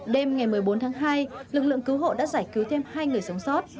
đêm ngày một mươi bốn tháng hai lực lượng cứu hộ đã giải cứu thêm hai người sống sót